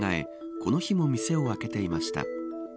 この日も店を開けていました。